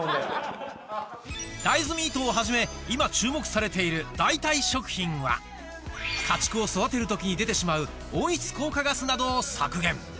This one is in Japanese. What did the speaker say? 大豆ミートをはじめ今注目されている代替食品は家畜を育てる時に出てしまう温室効果ガスなどを削減